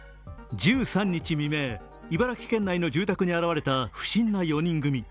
１３日未明、茨城県内の住宅に現れた不審な４人組。